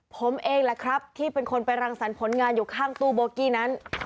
ผมเองแหละครับที่เป็นคนไปรังสรรค์ผลงานอยู่ข้างตู้โบกี้นั้น